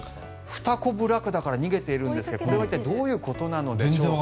フタコブラクダから逃げているんですけどこれは一体どういうことなのでしょうか。